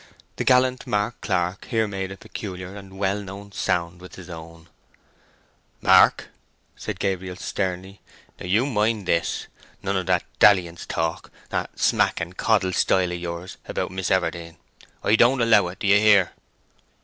The gallant Mark Clark here made a peculiar and well known sound with his own. "Mark," said Gabriel, sternly, "now you mind this! none of that dalliance talk—that smack and coddle style of yours—about Miss Everdene. I don't allow it. Do you hear?"